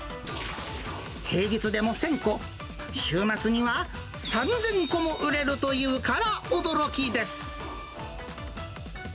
平日でも１０００個、週末には３０００個も売れるというから驚きです。